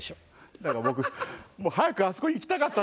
だから僕もう早くあそこに行きたかったんです。